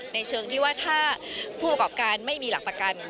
เชิงที่ว่าถ้าผู้ประกอบการไม่มีหลักประกัน